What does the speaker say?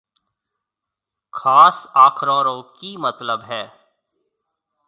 خاص آکرون رو ڪِي متلب هيَ۔